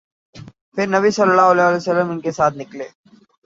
پھر نبی صلی اللہ علیہ وسلم ان کے ساتھ نکلے